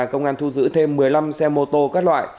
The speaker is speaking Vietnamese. công an thu giữ thêm một mươi năm xe mô tô các loại